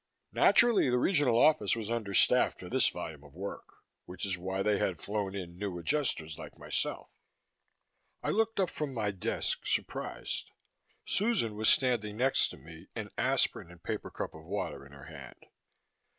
Naturally, the Regional Office was understaffed for this volume of work which is why they had flown in new Adjusters like myself. I looked up from my desk, surprised. Susan was standing next to me, an aspirin and a paper cup of water in her hand.